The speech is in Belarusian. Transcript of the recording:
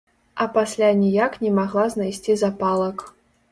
А пасля ніяк не магла знайсці запалак.